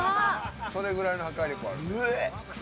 それくらいの破壊力ある。